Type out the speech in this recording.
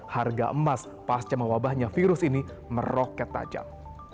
harga emas pasca mewabahnya virus ini meroket tajam